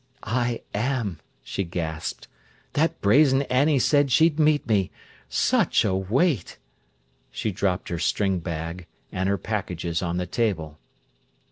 "I am!" she gasped. "That brazen Annie said she'd meet me. Such a weight!" She dropped her string bag and her packages on the table.